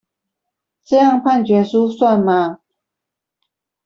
這樣判決書算嗎？